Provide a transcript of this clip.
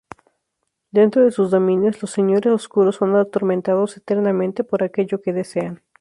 Dentro de sus dominios, los señores oscuros son atormentados eternamente por aquello que desean.